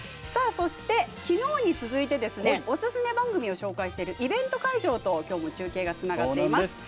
そして、きのうに続いてオススメ番組を紹介しているイベント会場ときょうも中継がつながっています。